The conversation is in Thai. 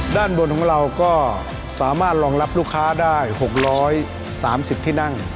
ด้านบนของเราก็สามารถรองรับลูกค้าได้๖๓๐ที่นั่ง